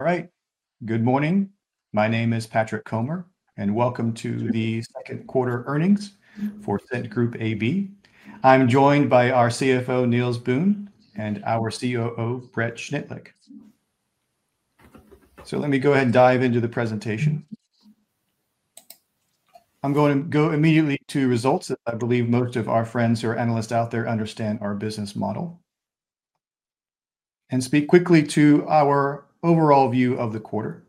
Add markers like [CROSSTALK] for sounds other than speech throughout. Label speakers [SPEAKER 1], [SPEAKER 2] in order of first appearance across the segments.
[SPEAKER 1] All right, good morning. My name is Patrick Comer, and welcome to the second quarter earnings for Fent Group AB. I'm joined by our CFO, Niels Boon, and our COO, Brett Schnittlich. Let me go ahead and dive into the presentation. I'm going to go immediately to results that I believe most of our friends who are analysts out there understand our business model and speak quickly to our overall view of the quarter.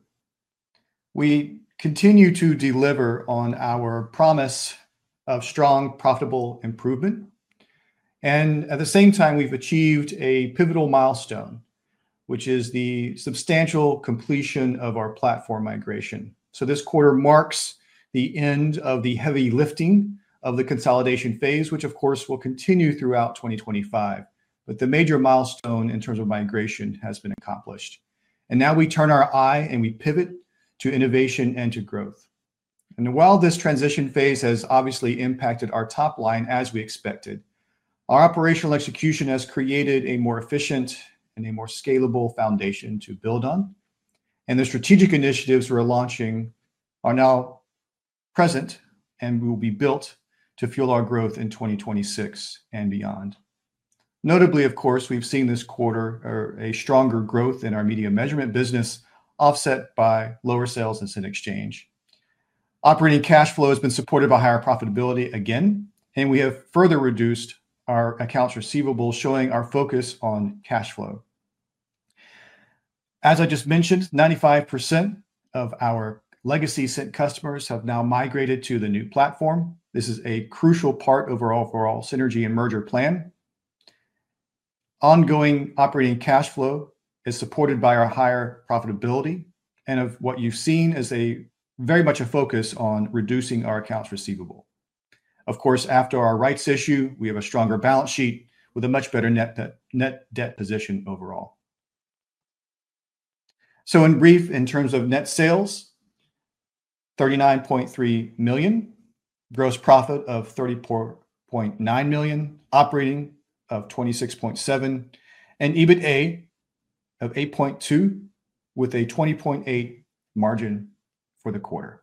[SPEAKER 1] We continue to deliver on our promise of strong profitable improvement. At the same time, we've achieved a pivotal milestone, which is the substantial completion of our platform migration. This quarter marks the end of the heavy lifting of the consolidation phase, which of course will continue throughout 2025, but the major milestone in terms of migration has been accomplished. Now we turn our eye and we pivot to innovation and to growth. While this transition phase has obviously impacted our top line, as we expected, our operational execution has created a more efficient and a more scalable foundation to build on. The strategic initiatives we're launching are now present and will be built to fuel our growth in 2026 and beyond. Notably, we've seen this quarter a stronger growth in our media measurement business, offset by lower sales in exchange. Operating cash flow has been supported by higher profitability again, and we have further reduced our accounts receivable, showing our focus on cash flow. As I just mentioned, 95% of our legacy Cint customers have now migrated to the new platform. This is a crucial part of our overall synergy and merger plan. Ongoing operating cash flow is supported by our higher profitability and what you've seen as very much a focus on reducing our accounts receivable. After our rights issue, we have a stronger balance sheet with a much better net debt position overall. In brief, in terms of net sales, $39.3 million, gross profit of $34.9 million, operating of $26.7 million, and EBITDA of $8.2 million with a 20.8% margin for the quarter.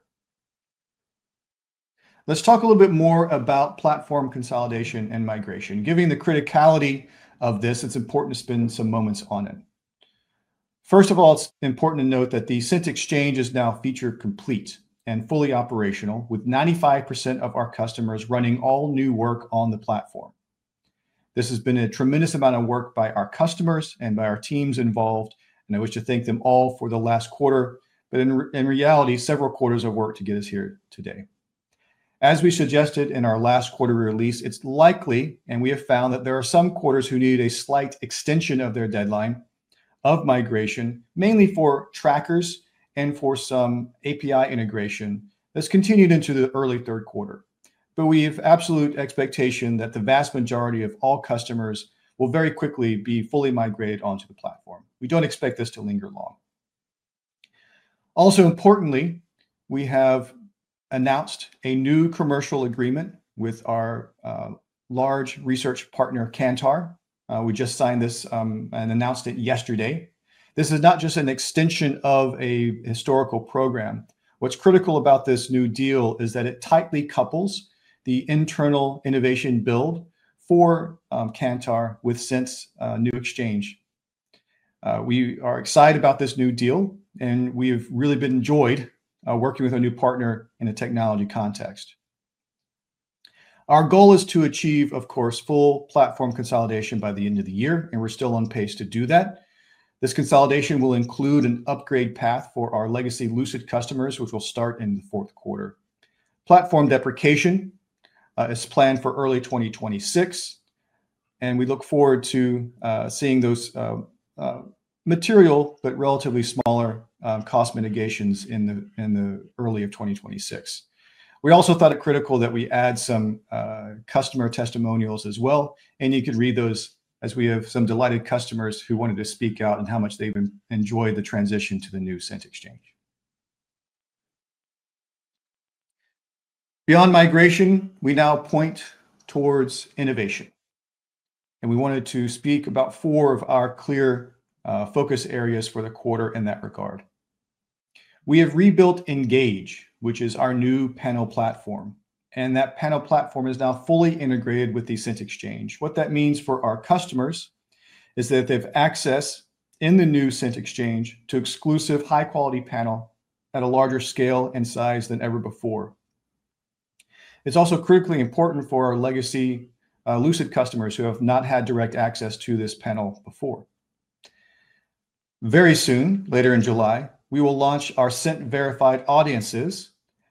[SPEAKER 1] Let's talk a little bit more about platform consolidation and migration. Given the criticality of this, it's important to spend some moments on it. First of all, it's important to note that the Cint exchange is now feature complete and fully operational, with 95% of our customers running all new work on the platform. This has been a tremendous amount of work by our customers and by our teams involved, and I wish to thank them all for the last quarter, but in reality, several quarters of work to get us here today. As we suggested in our last quarterly release, it's likely, and we have found that there are some customers who needed a slight extension of their deadline of migration, mainly for trackers and for some API integration that's continued into the early third quarter. We have absolute expectation that the vast majority of all customers will very quickly be fully migrated onto the platform. We don't expect this to linger long. Also, importantly, we have announced a new commercial agreement with our large research partner, Kantar. We just signed this and announced it yesterday. This is not just an extension of a historical program. What's critical about this new deal is that it tightly couples the internal innovation build for Kantar with Cint's new exchange. We are excited about this new deal, and we have really enjoyed working with a new partner in a technology context. Our goal is to achieve, of course, full platform consolidation by the end of the year, and we're still on pace to do that. This consolidation will include an upgrade path for our legacy Lucid customers, which will start in the fourth quarter. Platform deprecation is planned for early 2026, and we look forward to seeing those material but relatively smaller cost mitigations in the early part of 2026. We also thought it critical that we add some customer testimonials as well, and you could read those as we have some delighted customers who wanted to speak out on how much they've enjoyed the transition to the new Cint exchange. Beyond migration, we now point towards innovation, and we wanted to speak about four of our clear focus areas for the quarter in that regard. We have rebuilt Engage, which is our new panel platform, and that panel platform is now fully integrated with the Cint exchange. What that means for our customers is that they have access in the new Cint exchange to exclusive high-quality panel at a larger scale and size than ever before. It's also critically important for our legacy Lucid customers who have not had direct access to this panel before. Very soon, later in July, we will launch our Cint-verified audiences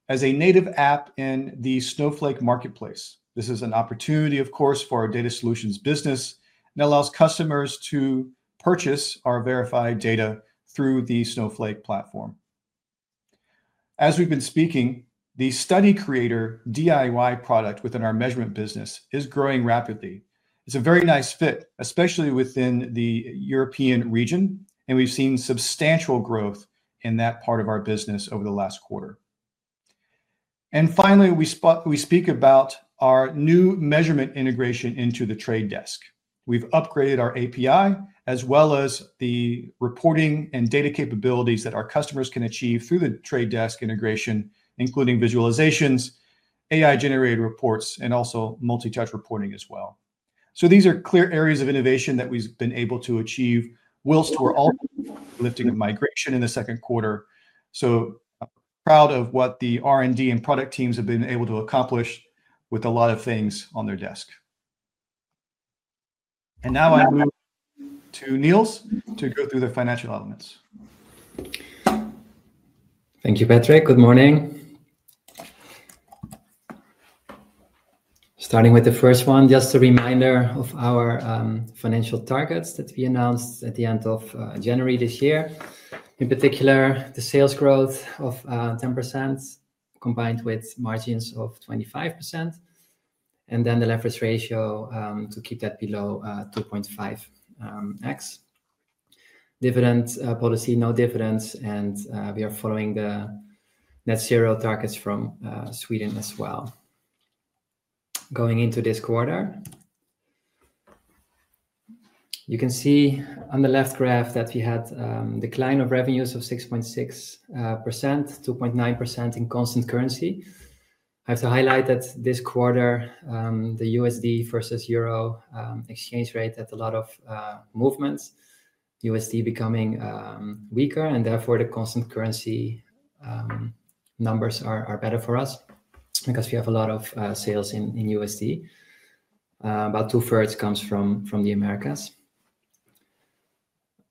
[SPEAKER 1] as a native app in the Snowflake Marketplace. This is an opportunity, of course, for our data solutions business and allows customers to purchase our verified data through the Snowflake Marketplace. As we've been speaking, the study creator DIY product within our media measurement business is growing rapidly. It's a very nice fit, especially within the European region, and we've seen substantial growth in that part of our business over the last quarter. Finally, we speak about our new media measurement integration into The Trade Desk. We've upgraded our API as well as the reporting and data capabilities that our customers can achieve through The Trade Desk integration, including visualizations, AI-generated reports, and also multi-touch reporting as well. These are clear areas of innovation that we've been able to achieve whilst we're all lifting a platform migration in the second quarter. I'm proud of what the R&D and product teams have been able to accomplish with a lot of things on their desk. Now I move to Niels to go through the financial elements.
[SPEAKER 2] Thank you, Patrick. Good morning. Starting with the first one, just a reminder of our financial targets that we announced at the end of January this year. In particular, the sales growth of 10% combined with margins of 25%, and then the leverage ratio to keep that below 2.5x. Dividend policy, no dividends, and we are following the net zero targets from Sweden as well. Going into this quarter, you can see on the left graph that we had a decline of revenues of 6.6%, 2.9% in constant currency. I have to highlight that this quarter, the USD vs Euro exchange rate had a lot of movement. USD becoming weaker, and therefore the constant currency numbers are better for us because we have a lot of sales in USD. About 2/3 comes from the Americas.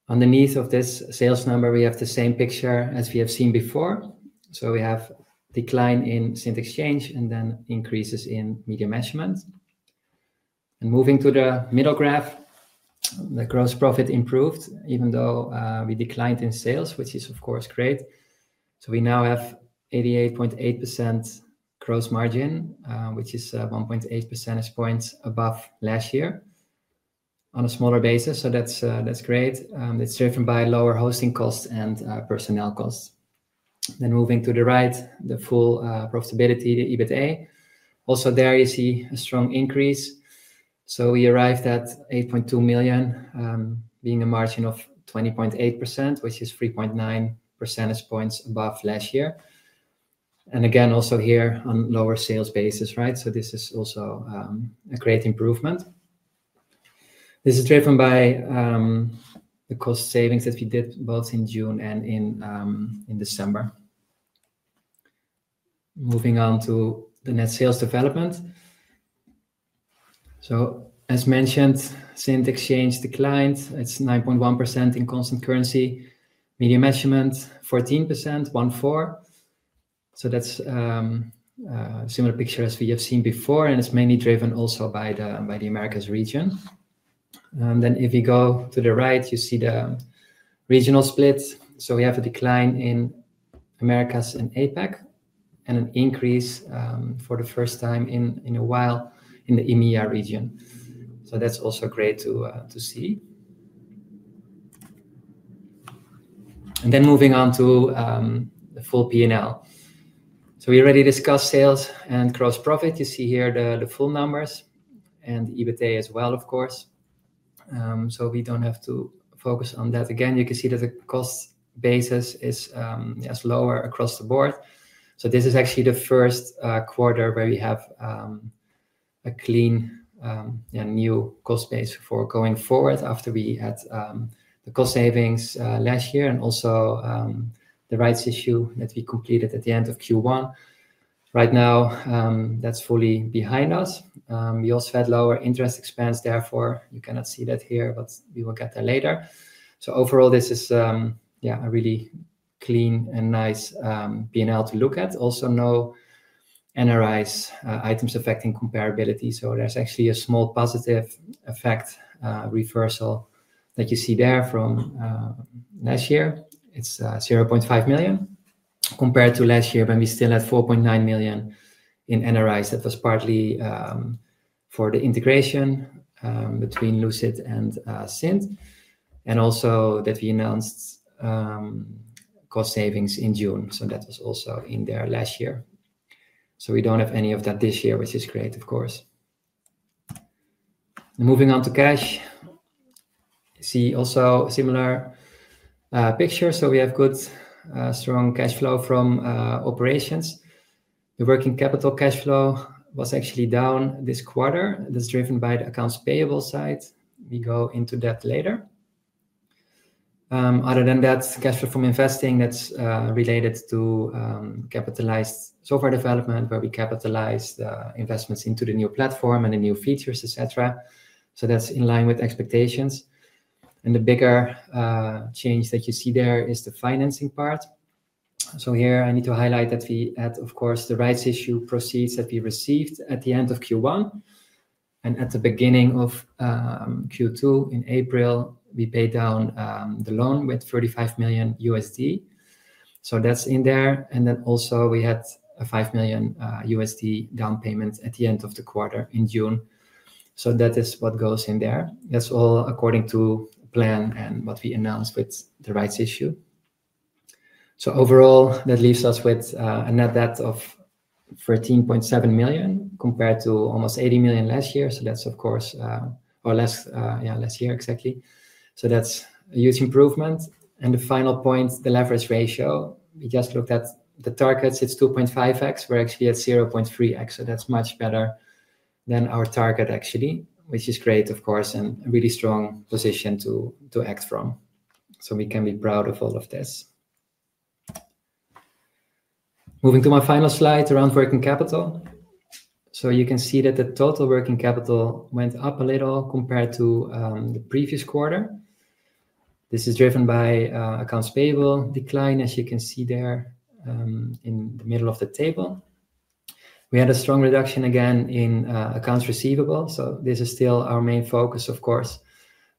[SPEAKER 2] Underneath of this sales number, we have the same picture as we have seen before. We have a decline in Cint exchange and then increases in media measurement. Moving to the middle graph, the gross profit improved even though we declined in sales, which is of course great. We now have 88.8% gross margin, which is 1.8 percentage points above last year on a smaller basis. That's great. It's driven by lower hosting costs and personnel costs. Moving to the right, the full profitability, the EBITDA. Also there you see a strong increase. We arrived at $8.2 million, being a margin of 20.8%, which is 3.9 percentage points above last year. Again, also here on a lower sales basis, right? This is also a great improvement. This is driven by the cost savings that we did both in June and in December. Moving on to the net sales development. As mentioned, Cint exchange declined. It's 9.1% in constant currency. Media measurement, 14%, 1.4%. That's a similar picture as we have seen before, and it's mainly driven also by the Americas region. If you go to the right, you see the regional split. We have a decline in Americas and APAC, and an increase for the first time in a while in the EMEA region. That's also great to see. Moving on to the full P&L. We already discussed sales and gross profit. You see here the full numbers and the EBITDA as well, of course. We don't have to focus on that again. You can see that the cost basis is lower across the board. This is actually the first quarter where we have a clean new cost base for going forward after we had the cost savings last year and also the rights issue that we completed at the end of Q1. Right now, that's fully behind us. We also had lower interest expense. You cannot see that here, but we will get there later. Overall, this is a really clean and nice P&L to look at. Also, no NRIs items affecting comparability. There's actually a small positive effect reversal that you see there from last year. It's $0.5 million compared to last year, but we still had $4.9 million in NRIs. That was partly for the integration between Lucid and Cint, and also that we announced cost savings in June. That was also in there last year. We don't have any of that this year, which is great, of course. Moving on to cash, you see also a similar picture. We have good strong cash flow from operations. The working capital cash flow was actually down this quarter. That's driven by the accounts payable side. We go into that later. Other than that, cash flow from investing, that's related to capitalized software development where we capitalized investments into the new platform and the new features, etc. That's in line with expectations. The bigger change that you see there is the financing part. Here I need to highlight that we had, of course, the rights issue proceeds that we received at the end of Q1. At the beginning of Q2, in April, we paid down the loan with $35 million. That's in there. We also had a $5 million down payment at the end of the quarter in June. That is what goes in there. That's all according to plan and what we announced with the rights issue. Overall, that leaves us with a net debt of $13.7 million compared to almost $80 million last year. That's, of course, or less, yeah, last year exactly. That's a huge improvement. The final point, the leverage ratio, we just looked at the targets. It's 2.5x. We're actually at 0.3x. That's much better than our target actually, which is great, of course, and a really strong position to act from. We can be proud of all of this. Moving to my final slide, around working capital. You can see that the total working capital went up a little compared to the previous quarter. This is driven by accounts payable decline, as you can see there in the middle of the table. We had a strong reduction again in accounts receivable. This is still our main focus, of course,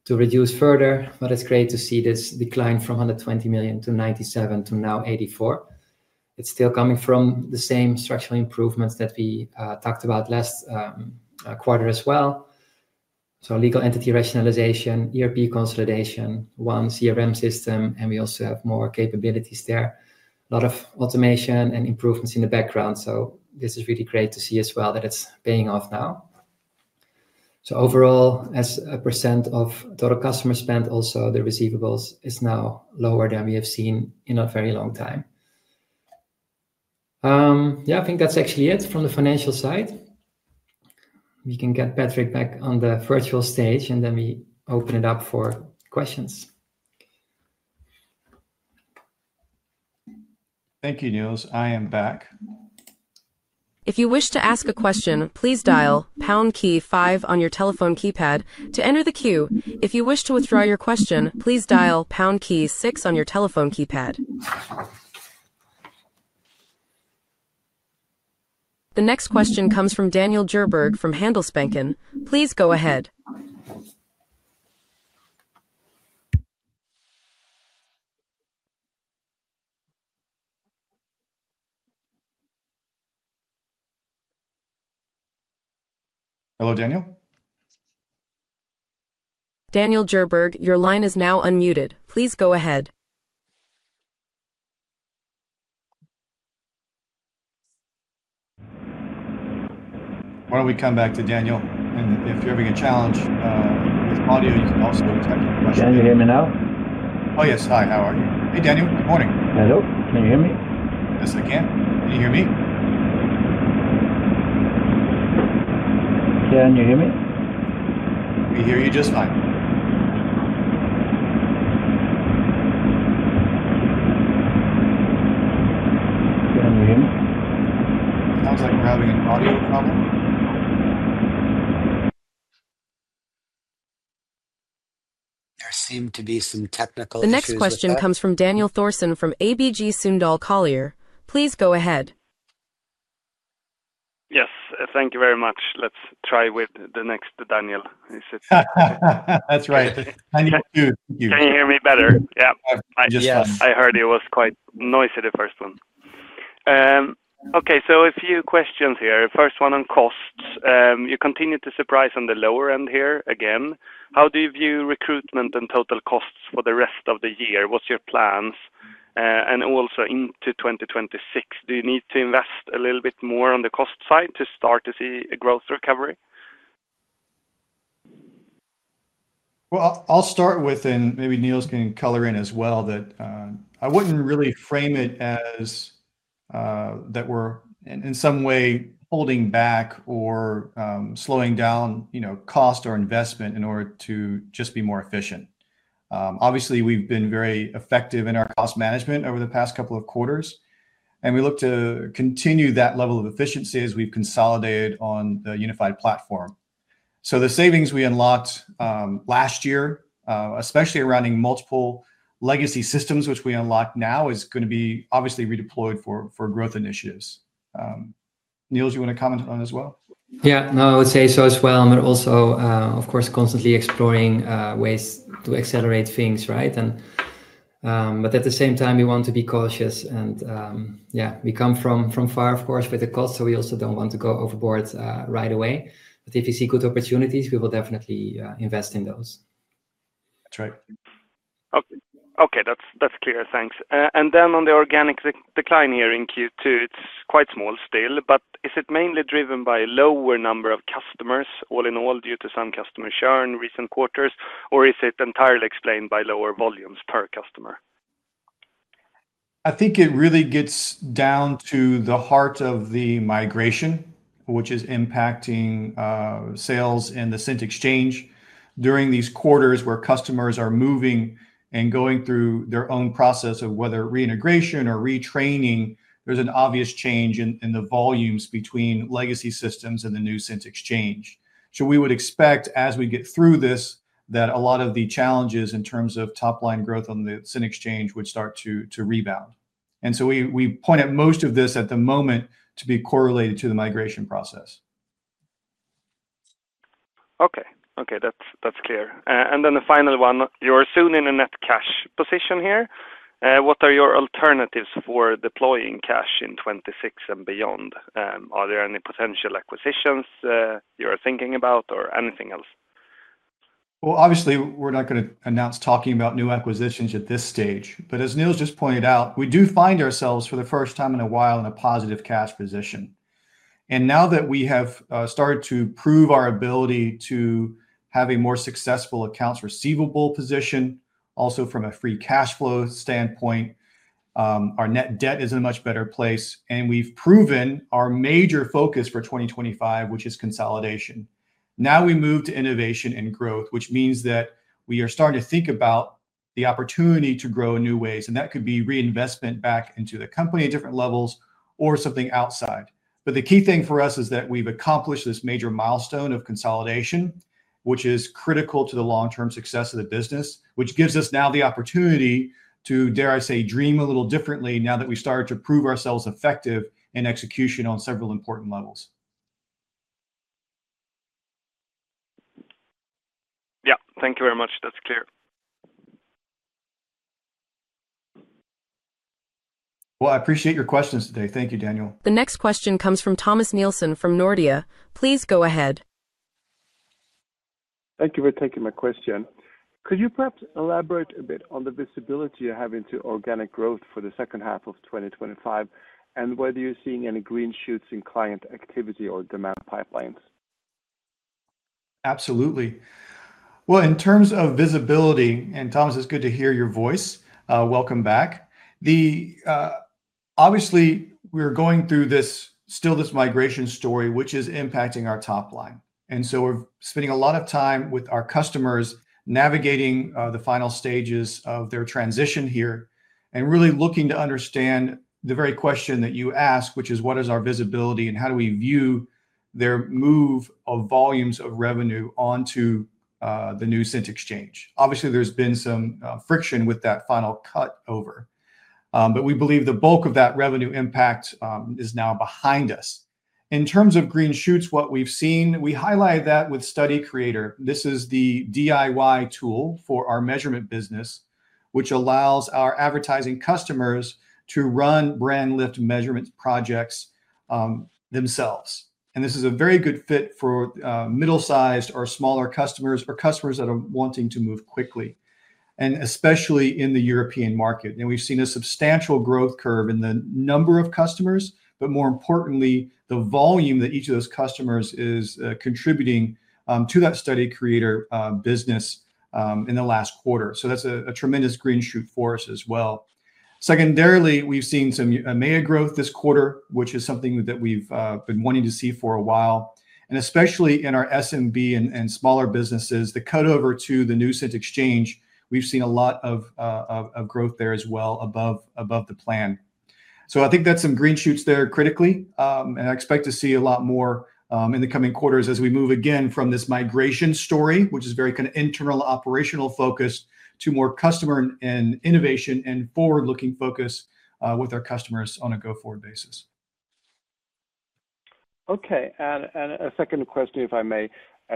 [SPEAKER 2] to reduce further. It's great to see this decline from $120 million to $97 million to now $84 million. It's still coming from the same structural improvements that we talked about last quarter as well: legal entity rationalization, ERP consolidation, one CRM system, and we also have more capabilities there. A lot of automation and improvements in the background. This is really great to see as well that it's paying off now. Overall, as a percent of total customer spend, also the receivables is now lower than we have seen in a very long time. I think that's actually it from the financial side. We can get Patrick back on the virtual stage, and then we open it up for questions.
[SPEAKER 1] Thank you, Niels. I am back.
[SPEAKER 3] If you wish to ask a question, please dial pound key five on your telephone keypad to enter the queue. If you wish to withdraw your question, please dial pound key six on your telephone keypad. The next question comes from Daniel Djurberg from Handelsbanken. Please go ahead.
[SPEAKER 1] Hello, Daniel.
[SPEAKER 3] Daniel Djurberg, your line is now unmuted. Please go ahead.
[SPEAKER 1] Why don't we come back to Daniel? If you're having a challenge with audio, you can also...
[SPEAKER 4] Can you hear me now?
[SPEAKER 1] Oh, yes. Hi, how are you? Hey, Daniel. Good morning.
[SPEAKER 4] Hello, can you hear me?
[SPEAKER 1] Yes, I can. Can you hear me?
[SPEAKER 4] Can you hear me?
[SPEAKER 1] We hear you just fine.
[SPEAKER 4] Can you hear me?
[SPEAKER 1] Sounds like we're having an audio problem.
[SPEAKER 5] There seem to be some technical issues.
[SPEAKER 3] The next question comes from Daniel Thorsson from ABG Sundal Collier. Please go ahead.
[SPEAKER 6] Yes, thank you very much. Let's try with the next Daniel.
[SPEAKER 1] That's right.
[SPEAKER 6] Can you hear me better? I heard it was quite noisy the first one. Okay, a few questions here. First one on costs. You continue to surprise on the lower end here again. How do you view recruitment and total costs for the rest of the year? What's your plans? Also, into 2026, do you need to invest a little bit more on the cost side to start to see a growth recovery?
[SPEAKER 1] I will start with, and maybe Niels can color in as well, that I wouldn't really frame it as that we're in some way holding back or slowing down, you know, cost or investment in order to just be more efficient. Obviously, we've been very effective in our cost management over the past couple of quarters, and we look to continue that level of efficiency as we've consolidated on the unified platform. The savings we unlocked last year, especially around multiple legacy systems, which we unlock now, is going to be obviously redeployed for growth initiatives. Niels, you want to comment on that as well?
[SPEAKER 2] Yeah, no, I would say so as well. I'm also, of course, constantly exploring ways to accelerate things, right? At the same time, we want to be cautious. Yeah, we come from far, of course, with the cost. We also don't want to go overboard right away. If you see good opportunities, we will definitely invest in those.
[SPEAKER 1] That's right.
[SPEAKER 6] Okay, that's clear. Thanks. On the organic decline here in Q2, it's quite small still, but is it mainly driven by a lower number of customers all in all due to some customer churn in recent quarters, or is it entirely explained by lower volumes per customer?
[SPEAKER 1] I think it really gets down to the heart of the migration, which is impacting sales in the Cint exchange during these quarters where customers are moving and going through their own process of whether reintegration or retraining. There's an obvious change in the volumes between legacy systems and the new Cint exchange. We would expect, as we get through this, that a lot of the challenges in terms of top line growth on the Cint exchange would start to rebound. We point at most of this at the moment to be correlated to the migration process.
[SPEAKER 6] Okay, that's clear. The final one, you're soon in a net cash position here. What are your alternatives for deploying cash in 2026 and beyond? Are there any potential acquisitions you're thinking about or anything else?
[SPEAKER 1] Obviously, we're not going to announce talking about new acquisitions at this stage. As Niels just pointed out, we do find ourselves for the first time in a while in a positive cash position. Now that we have started to prove our ability to have a more successful accounts receivable position, also from a free cash flow standpoint, our net debt is in a much better place. We've proven our major focus for 2025, which is consolidation. Now we move to innovation and growth, which means that we are starting to think about the opportunity to grow in new ways. That could be reinvestment back into the company at different levels or something outside. The key thing for us is that we've accomplished this major milestone of consolidation, which is critical to the long-term success of the business. This gives us now the opportunity to, dare I say, dream a little differently now that we've started to prove ourselves effective in execution on several important levels.
[SPEAKER 6] Thank you very much. That's clear.
[SPEAKER 1] I appreciate your questions today. Thank you, Daniel.
[SPEAKER 3] The next question comes from Thomas Nielsen from Nordea. Please go ahead.
[SPEAKER 7] Thank you for taking my question. Could you perhaps elaborate a bit on the visibility you have into organic growth for the second half of 2025 and whether you're seeing any green shoots in client activity or demand pipelines?
[SPEAKER 1] Absolutely. In terms of visibility, and Thomas, it's good to hear your voice. Welcome back. Obviously, we're going through this migration story, which is impacting our top line. We're spending a lot of time with our customers navigating the final stages of their transition here and really looking to understand the very question that you asked, which is what is our visibility and how do we view their move of volumes of revenue onto the new Cint exchange. Obviously, there's been some friction with that final cutover. We believe the bulk of that revenue impact is now behind us. In terms of green shoots, what we've seen, we highlighted that with Study Creator. This is the DIY tool for our measurement business, which allows our advertising customers to run brand lift measurements projects themselves. This is a very good fit for middle-sized or smaller customers or customers that are wanting to move quickly, especially in the European market. We've seen a substantial growth curve in the number of customers, but more importantly, the volume that each of those customers is contributing to that Study Creator business in the last quarter. That's a tremendous green shoot for us as well. Secondarily, we've seen some EMEA growth this quarter, which is something that we've been wanting to see for a while. Especially in our SMB and smaller businesses, the cutover to the new Cint exchange, we've seen a lot of growth there as well above the plan. I think that's some green shoots there critically. I expect to see a lot more in the coming quarters as we move again from this migration story, which is very kind of internal operational focus to more customer and innovation and forward-looking focus with our customers on a go-forward basis.
[SPEAKER 7] Okay, and a second question, if I may.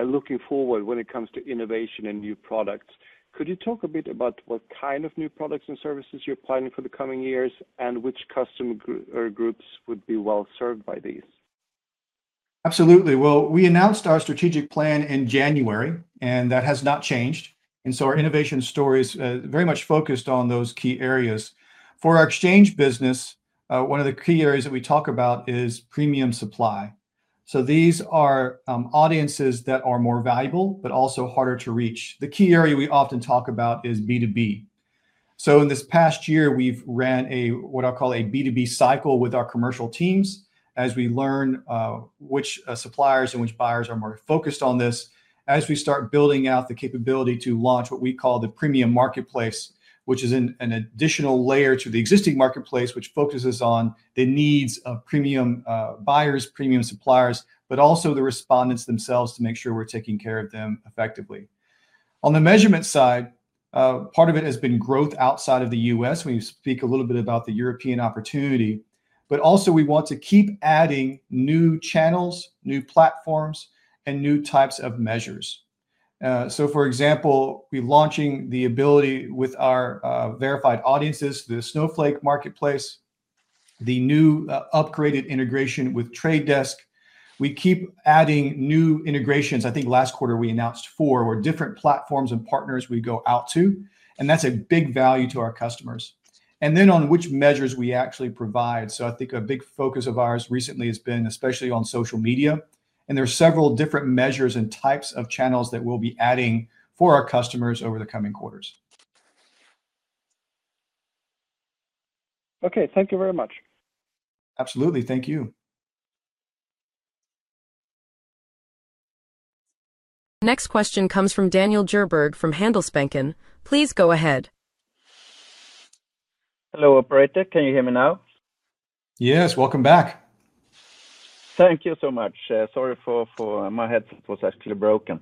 [SPEAKER 7] Looking forward when it comes to innovation and new products, could you talk a bit about what kind of new products and services you're planning for the coming years and which customer groups would be well served by these?
[SPEAKER 1] Absolutely. We announced our strategic plan in January, and that has not changed. Our innovation story is very much focused on those key areas. For our exchange business, one of the key areas that we talk about is premium supply. These are audiences that are more valuable, but also harder to reach. The key area we often talk about is B2B. In this past year, we've run what I'll call a B2B cycle with our commercial teams as we learn which suppliers and which buyers are more focused on this. As we start building out the capability to launch what we call the premium marketplace, which is an additional layer to the existing marketplace, it focuses on the needs of premium buyers, premium suppliers, but also the respondents themselves to make sure we're taking care of them effectively. On the measurement side, part of it has been growth outside of the U.S. We speak a little bit about the European opportunity, but we also want to keep adding new channels, new platforms, and new types of measures. For example, we're launching the ability with our Cint-verified audiences, the Snowflake Marketplace, the new upgraded integration with The Trade Desk. We keep adding new integrations. I think last quarter we announced four different platforms and partners we go out to. That's a big value to our customers. Then on which measures we actually provide, a big focus of ours recently has been especially on social media. There are several different measures and types of channels that we'll be adding for our customers over the coming quarters.
[SPEAKER 7] Okay, thank you very much.
[SPEAKER 1] Absolutely, thank you.
[SPEAKER 3] Next question comes from Daniel Djurberg from Handelsbanken. Please go ahead.
[SPEAKER 4] Hello, Brett. Can you hear me now?
[SPEAKER 1] Yes, welcome back.
[SPEAKER 4] Thank you so much. Sorry, my headset was actually broken.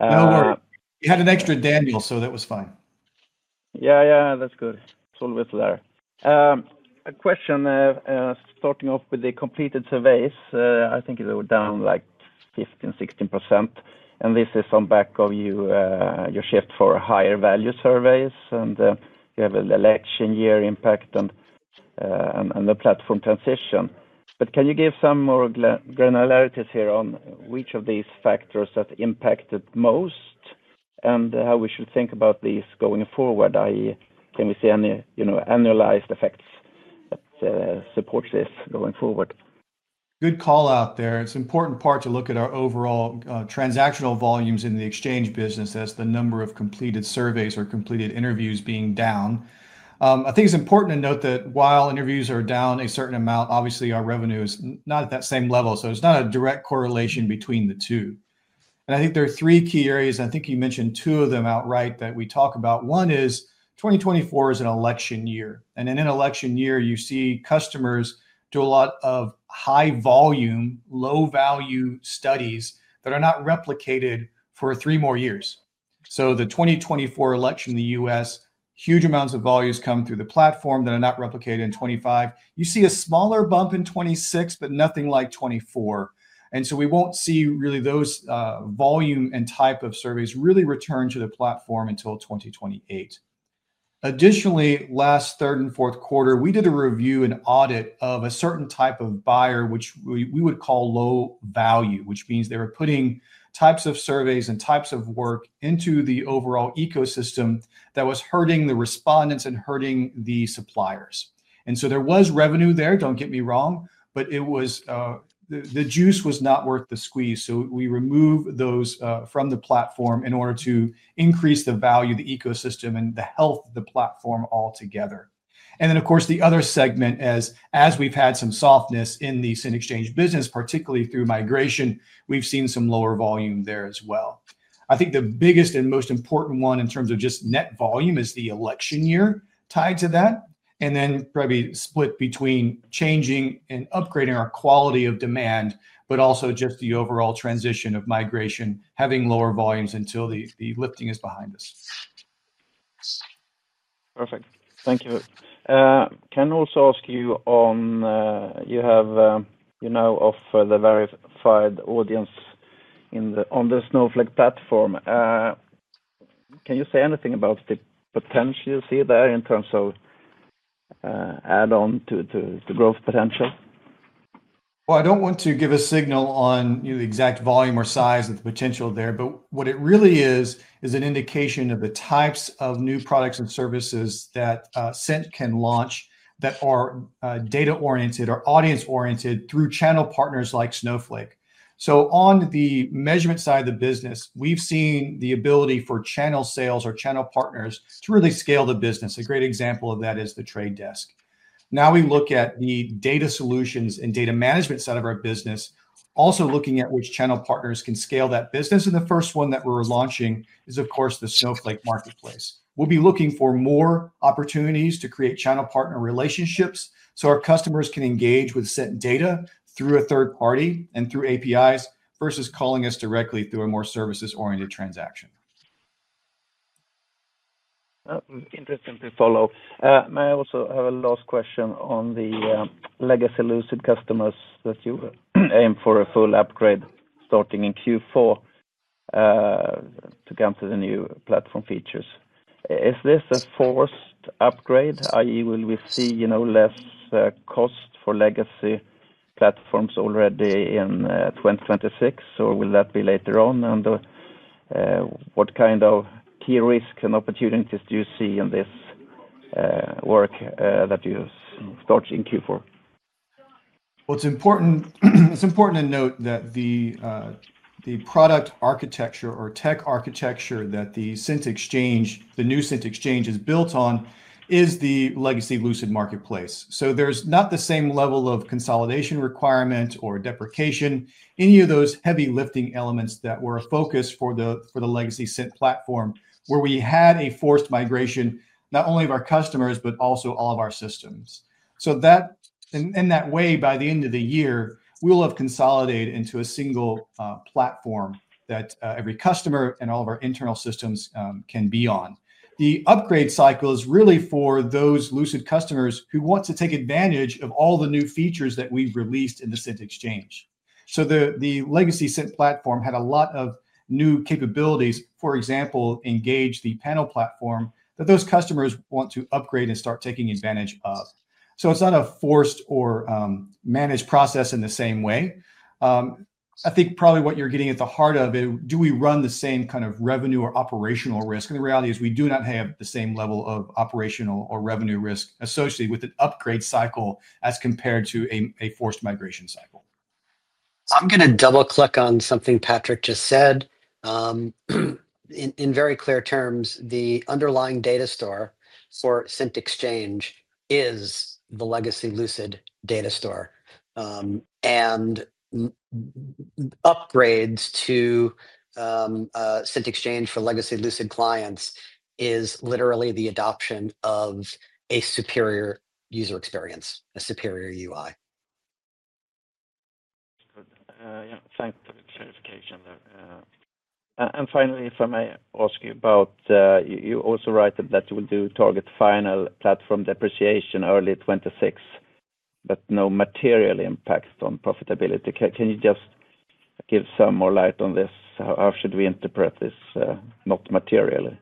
[SPEAKER 1] No worries. We had an extra Daniel, so that was fine.
[SPEAKER 4] That's good. It's all a little better. A question starting off with the completed surveys. I think they were down like 15%, 16%. This is on the back of your shift for higher value surveys. You have an election year impact and the platform transition. Can you give some more granularity here on which of these factors have impacted most and how we should think about these going forward? I.e., can we see any annualized effects that support this going forward?
[SPEAKER 1] Good call out there. It's an important part to look at our overall transactional volumes in the exchange business as the number of completed surveys or completed interviews being down. I think it's important to note that while interviews are down a certain amount, obviously our revenue is not at that same level. There's not a direct correlation between the two. I think there are three key areas. I think you mentioned two of them outright that we talk about. One is 2024 is an election year. In an election year, you see customers do a lot of high volume, low value studies that are not replicated for three more years. The 2024 election in the U.S., huge amounts of volumes come through the platform that are not replicated in 2025. You see a smaller bump in 2026, but nothing like 2024. We won't see really those volume and type of surveys really return to the platform until 2028. Additionally, last third and fourth quarter, we did a review and audit of a certain type of buyer, which we would call low value, which means they were putting types of surveys and types of work into the overall ecosystem that was hurting the respondents and hurting the suppliers. There was revenue there, don't get me wrong, but the juice was not worth the squeeze. We removed those from the platform in order to increase the value of the ecosystem and the health of the platform altogether. Of course, the other segment, as we've had some softness in the Cint exchange business, particularly through migration, we've seen some lower volume there as well. I think the biggest and most important one in terms of just net volume is the election year tied to that, and then probably split between changing and upgrading our quality of demand, but also just the overall transition of migration, having lower volumes until the lifting is behind us.
[SPEAKER 4] Perfect. Thank you. Can I also ask you, you have, you know, of the Cint-verified audiences on the Snowflake Marketplace, can you say anything about the potential you see there in terms of add-on to growth potential?
[SPEAKER 1] I don't want to give a signal on the exact volume or size of the potential there, but what it really is, is an indication of the types of new products and services that Cint can launch that are data-oriented or audience-oriented through channel partners like Snowflake. On the measurement side of the business, we've seen the ability for channel sales or channel partners to really scale the business. A great example of that is The Trade Desk. Now we look at the data solutions and data management side of our business, also looking at which channel partners can scale that business. The first one that we're launching is, of course, the Snowflake Marketplace. We'll be looking for more opportunities to create channel partner relationships so our customers can engage with Cint data through a third party and through APIs versus calling us directly through a more services-oriented transaction.
[SPEAKER 4] Interesting to follow. May I also have a last question on the legacy Lucid customers that you aim for a full upgrade starting in Q4 to get to the new platform features? Is this a forced upgrade, i.e., will we see less cost for legacy platforms already in 2026, or will that be later on? What kind of key risk and opportunities do you see in this work that you start in Q4?
[SPEAKER 1] It's important to note that the product architecture or tech architecture that the Cint exchange, the new Cint exchange, is built on is the legacy Lucid Marketplace. There's not the same level of consolidation requirement or deprecation, any of those heavy lifting elements that were a focus for the legacy Cint platform where we had a forced migration not only of our customers, but also all of our systems. In that way, by the end of the year, we will have consolidated into a single platform that every customer and all of our internal systems can be on. The upgrade cycle is really for those Lucid customers who want to take advantage of all the new features that we've released in the Cint exchange. The legacy Cint platform had a lot of new capabilities, for example, engage panel platform that those customers want to upgrade and start taking advantage of. It's not a forced or managed process in the same way. I think probably what you're getting at the heart of is do we run the same kind of revenue or operational risk? The reality is we do not have the same level of operational or revenue risk associated with an upgrade cycle as compared to a forced migration cycle.
[SPEAKER 5] I'm going to double click on something Patrick just said. In very clear terms, the underlying data store for Cint exchange is the legacy Lucid data store, and upgrades to Cint exchange for legacy Lucid clients is literally the adoption of a superior user experience, a superior UI.
[SPEAKER 4] Thank you for the clarification there. Finally, if I may ask you about, you also write that you will do target final platform depreciation early 2026, but no material impact on profitability. Can you just give some more light on this? How should we interpret this, not materially?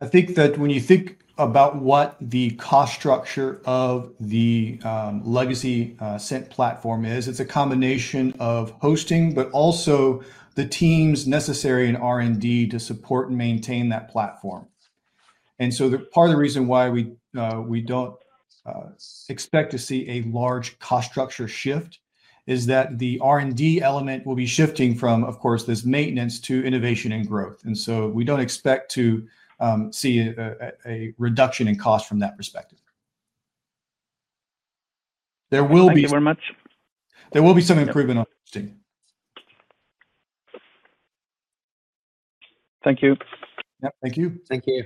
[SPEAKER 1] I think that when you think about what the cost structure of the legacy Cint platform is, it's a combination of hosting, but also the teams necessary in R&D to support and maintain that platform. Part of the reason why we don't expect to see a large cost structure shift is that the R&D element will be shifting from, of course, this maintenance to innovation and growth. We don't expect to see a reduction in cost from that perspective.
[SPEAKER 4] Thank you very much.
[SPEAKER 1] There will be some improvement on. [AUDIO DISTORTION]
[SPEAKER 4] Thank you.
[SPEAKER 1] Thank you.
[SPEAKER 5] Thank you.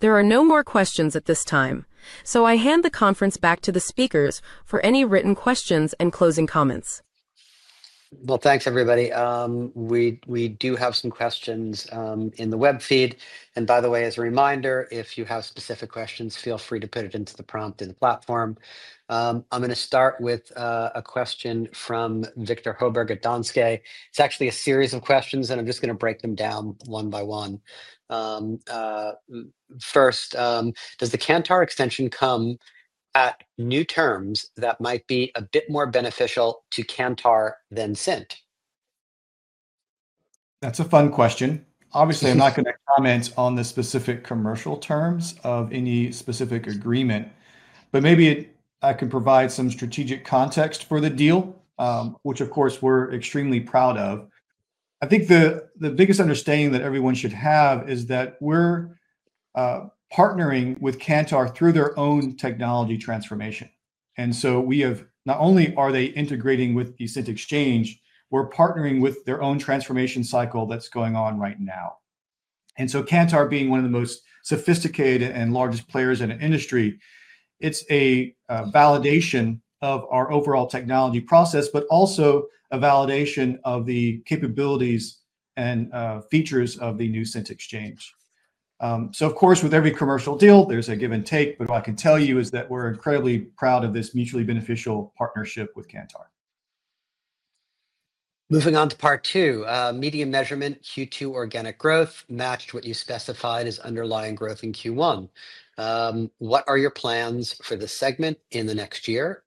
[SPEAKER 3] There are no more questions at this time. I hand the conference back to the speakers for any written questions and closing comments.
[SPEAKER 5] Thank you, everybody. We do have some questions in the web feed. By the way, as a reminder, if you have specific questions, feel free to put it into the prompt in the platform. I'm going to start with a question from Viktor Högberg at Danske. It's actually a series of questions, and I'm just going to break them down one by one. First, does the Kantar extension come at new terms that might be a bit more beneficial to Kantar than Cint?
[SPEAKER 1] That's a fun question. Obviously, I'm not going to comment on the specific commercial terms of any specific agreement, but maybe I can provide some strategic context for the deal, which of course we're extremely proud of. I think the biggest understanding that everyone should have is that we're partnering with Kantar through their own technology transformation. We have, not only are they integrating with the Cint exchange, we're partnering with their own transformation cycle that's going on right now. Kantar, being one of the most sophisticated and largest players in the industry, it's a validation of our overall technology process, but also a validation of the capabilities and features of the new Cint exchange. Of course, with every commercial deal, there's a give and take, but what I can tell you is that we're incredibly proud of this mutually beneficial partnership with Kantar.
[SPEAKER 5] Moving on to part two, media measurement Q2 organic growth matched what you specified as underlying growth in Q1. What are your plans for the segment in the next year?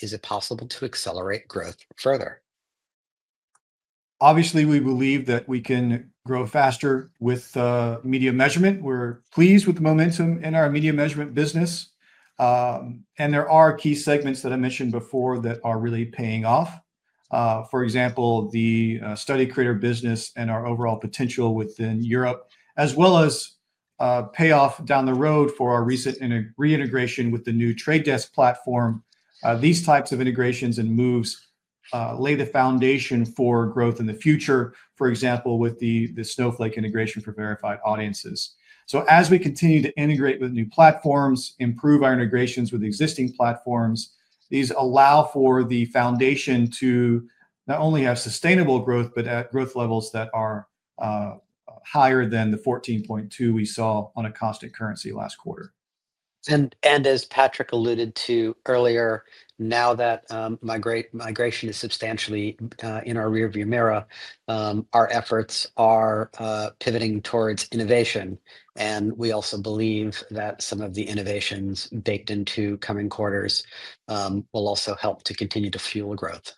[SPEAKER 5] Is it possible to accelerate growth further?
[SPEAKER 1] Obviously, we believe that we can grow faster with media measurement. We're pleased with the momentum in our media measurement business. There are key segments that I mentioned before that are really paying off. For example, the Study Creator business and our overall potential within Europe, as well as payoff down the road for our recent reintegration with the new Trade Desk platform. These types of integrations and moves lay the foundation for growth in the future, for example, with the Snowflake integration for Cint-verified audiences. As we continue to integrate with new platforms and improve our integrations with existing platforms, these allow for the foundation to not only have sustainable growth, but at growth levels that are higher than the 14.2% we saw on a constant currency last quarter.
[SPEAKER 5] As Patrick alluded to earlier, now that migration is substantially in our rearview mirror, our efforts are pivoting towards innovation. We also believe that some of the innovations baked into coming quarters will help to continue to fuel growth.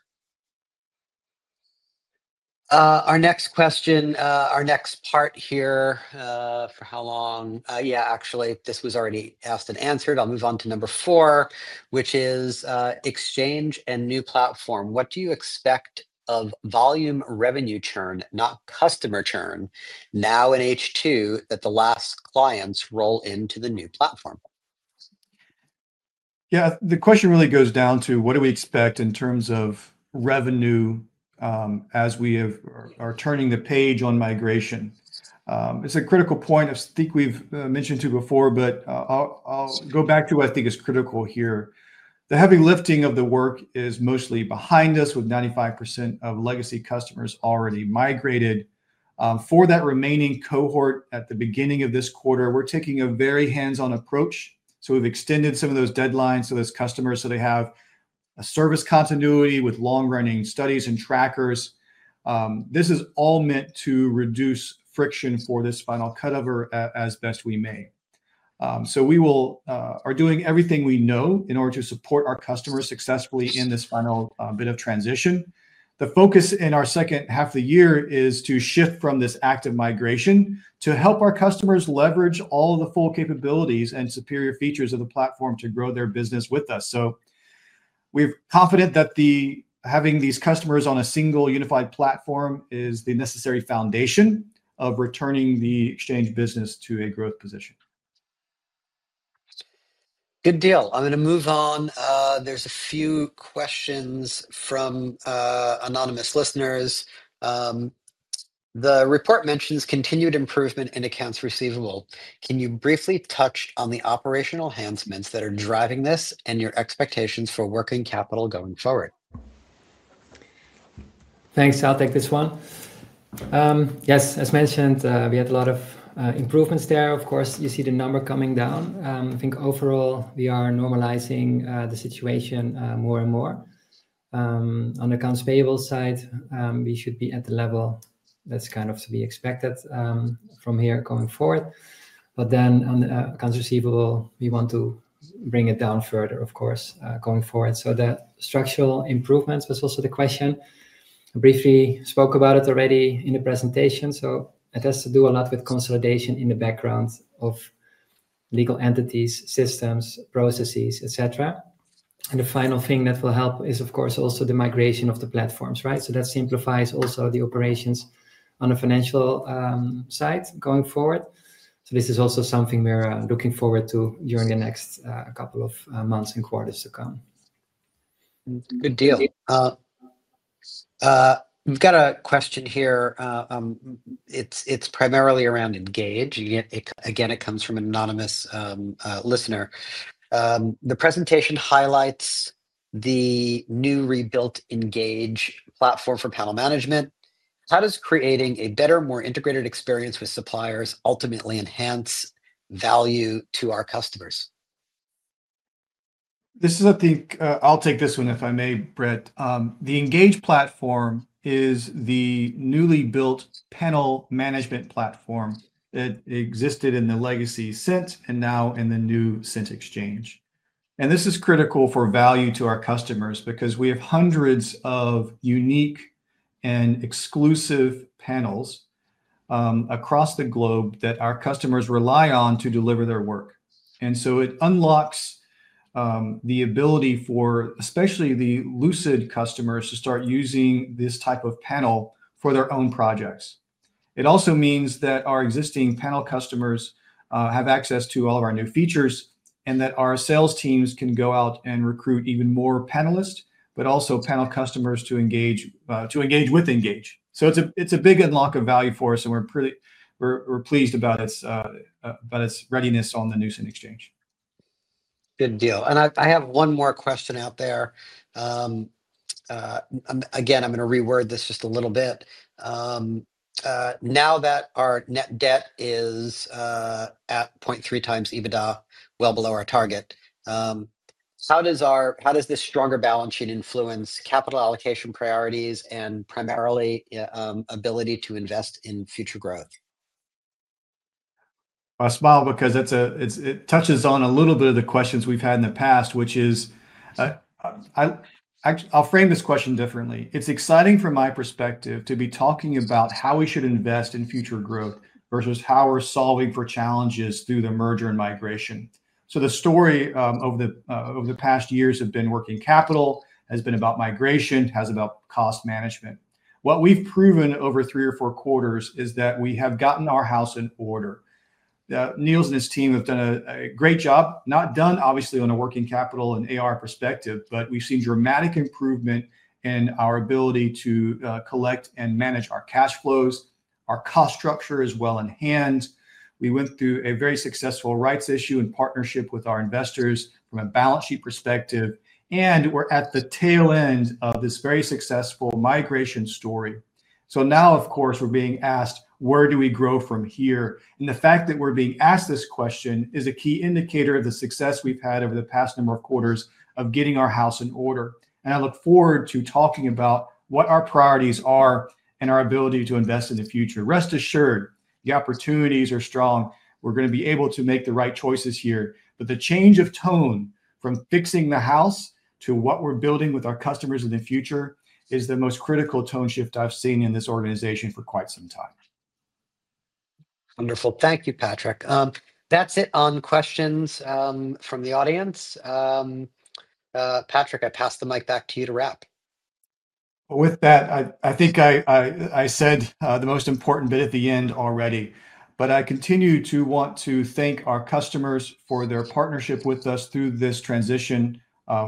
[SPEAKER 5] Our next question, our next part here, for how long? Actually, this was already asked and answered. I'll move on to number four, which is exchange and new platform. What do you expect of volume revenue churn, not customer churn, now in H2 that the last clients roll into the new platform?
[SPEAKER 1] Yeah, the question really goes down to what do we expect in terms of revenue as we are turning the page on migration. It's a critical point. I think we've mentioned it before, but I'll go back to what I think is critical here. The heavy lifting of the work is mostly behind us with 95% of legacy customers already migrated. For that remaining cohort at the beginning of this quarter, we're taking a very hands-on approach. We've extended some of those deadlines so those customers have service continuity with long-running studies and trackers. This is all meant to reduce friction for this final cutover as best we may. We are doing everything we know in order to support our customers successfully in this final bit of transition. The focus in our second half of the year is to shift from this active migration to help our customers leverage all the full capabilities and superior features of the platform to grow their business with us. We're confident that having these customers on a single unified platform is the necessary foundation of returning the exchange business to a growth position.
[SPEAKER 5] Good deal. I'm going to move on. There are a few questions from anonymous listeners. The report mentions continued improvement in accounts receivable. Can you briefly touch on the operational enhancements that are driving this and your expectations for working capital going forward?
[SPEAKER 2] Thanks. I'll take this one. Yes, as mentioned, we had a lot of improvements there. Of course, you see the number coming down. I think overall we are normalizing the situation more and more. On the accounts payable side, we should be at the level that's kind of to be expected from here going forward. On the accounts receivable, we want to bring it down further, of course, going forward. The structural improvements, that's also the question. I briefly spoke about it already in the presentation. It has to do a lot with consolidation in the background of legal entities, systems, processes, etc. The final thing that will help is, of course, also the migration of the platforms, right? That simplifies also the operations on the financial side going forward. This is also something we're looking forward to during the next couple of months and quarters to come.
[SPEAKER 5] Good deal. We've got a question here. It's primarily around Engage. Again, it comes from an anonymous listener. The presentation highlights the new rebuilt Engage platform for panel management. How does creating a better, more integrated experience with suppliers ultimately enhance value to our customers?
[SPEAKER 1] I think I'll take this one if I may, Brett. The Engage platform is the newly built panel management platform that existed in the legacy Cint and now in the new Cint exchange. This is critical for value to our customers because we have hundreds of unique and exclusive panels across the globe that our customers rely on to deliver their work. It unlocks the ability for especially the Lucid customers to start using this type of panel for their own projects. It also means that our existing panel customers have access to all of our new features and that our sales teams can go out and recruit even more panelists, but also panel customers to engage with Engage. It's a big unlock of value for us, and we're pleased about its readiness on the new Cint exchange.
[SPEAKER 5] Good deal. I have one more question out there. I'm going to reword this just a little bit. Now that our net debt is at 0.3x EBITDA, well below our target, how does this stronger balance sheet influence capital allocation priorities and primarily ability to invest in future growth?
[SPEAKER 1] I smile because it touches on a little bit of the questions we've had in the past, which is, I'll frame this question differently. It's exciting from my perspective to be talking about how we should invest in future growth versus how we're solving for challenges through the merger and migration. The story over the past years has been working capital, has been about migration, has been about cost management. What we've proven over three or four quarters is that we have gotten our house in order. Niels and his team have done a great job, not done obviously on a working capital and accounts receivable perspective, but we've seen dramatic improvement in our ability to collect and manage our cash flows. Our cost structure is well in hand. We went through a very successful rights issue in partnership with our investors from a balance sheet perspective, and we're at the tail end of this very successful migration story. Now, of course, we're being asked, where do we grow from here? The fact that we're being asked this question is a key indicator of the success we've had over the past number of quarters of getting our house in order. I look forward to talking about what our priorities are and our ability to invest in the future. Rest assured, the opportunities are strong. We're going to be able to make the right choices here. The change of tone from fixing the house to what we're building with our customers in the future is the most critical tone shift I've seen in this organization for quite some time.
[SPEAKER 5] Wonderful. Thank you, Patrick. That's it on questions from the audience. Patrick, I pass the mic back to you to wrap.
[SPEAKER 1] With that, I think I said the most important bit at the end already. I continue to want to thank our customers for their partnership with us through this transition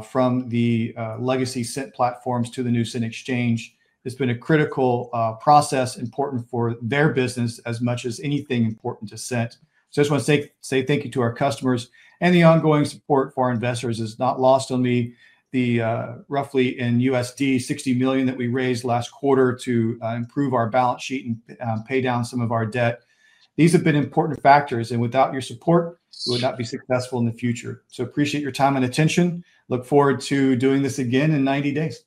[SPEAKER 1] from the legacy Cint platforms to the new Cint exchange. It's been a critical process, important for their business as much as anything important to Cint. I just want to say thank you to our customers. The ongoing support for our investors is not lost on me. The roughly $60 million that we raised last quarter to improve our balance sheet and pay down some of our debt have been important factors, and without your support, we would not be successful in the future. I appreciate your time and attention. I look forward to doing this again in 90 days.